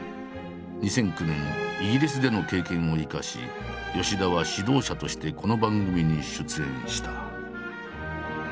２００９年イギリスでの経験を生かし吉田は指導者としてこの番組に出演した。